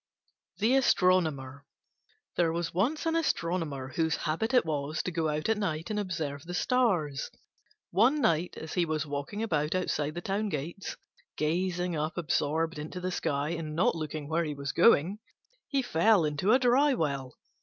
THE ASTRONOMER There was once an Astronomer whose habit it was to go out at night and observe the stars. One night, as he was walking about outside the town gates, gazing up absorbed into the sky and not looking where he was going, he fell into a dry well.